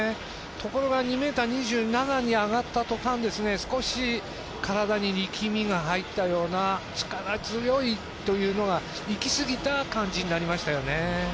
ところが２ｍ２７に上がった途端、少し体に力みが入ったような力強いというのがいきすぎた感じになりましたよね。